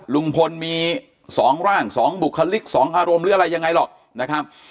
ลุงพลมี๒ร่าง๒บุคลิก๒อารมณ์หรืออะไรยังไงหรอกนะครับ